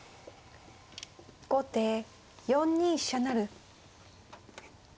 後手４二飛車成。